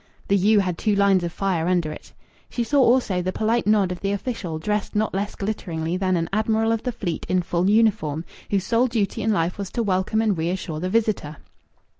The "you" had two lines of fire under it. She saw, also, the polite nod of the official, dressed not less glitteringly than an Admiral of the Fleet in full uniform, whose sole duty in life was to welcome and reassure the visitor.